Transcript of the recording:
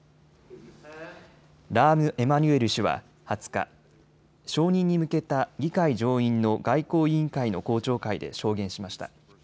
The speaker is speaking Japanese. ラーム・エマニュエル氏は２０日、承認に向けた議会上院の外交委員会の公聴会で証言しました。